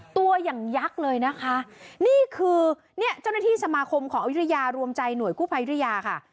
ตัวอย่างยักษ์เลยนะคะนี่คือเนี่ยเจ้าหน้าที่สมาคมของอยุธยารวมใจหน่วยกู้ภัยวิทยาค่ะ